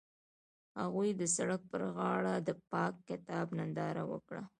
هغوی د سړک پر غاړه د پاک کتاب ننداره وکړه.